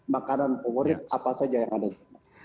makanan favorit apa saja yang ada di sana